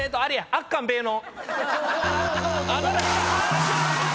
「あっかんべーの」！